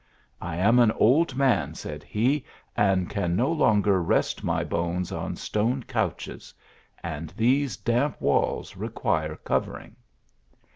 " I am an old man," said he, "and can no longer rest my bones on stone couches ; and these damp walls re quire covering."